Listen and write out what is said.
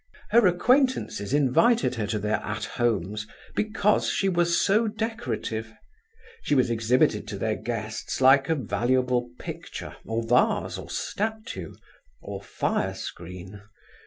Her acquaintances invited her to their "At Homes" because she was so decorative. She was exhibited to their guests like a valuable picture, or vase, or statue, or firescreen.